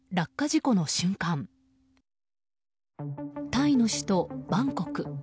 タイの首都バンコク。